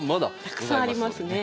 たくさんありますね。